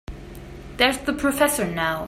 There's the professor now.